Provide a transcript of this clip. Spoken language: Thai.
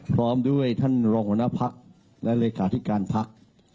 พร้อมด้วยท่านรองหัวหน้าพักและเลขาธิการพัก